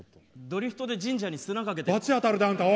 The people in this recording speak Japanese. ドリフトで神社に砂かけてる。